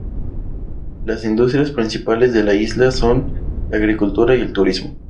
Las industrias principales de la isla son la agricultura y el turismo.